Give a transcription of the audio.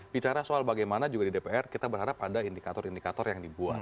bicara soal bagaimana juga di dpr kita berharap ada indikator indikator yang dibuat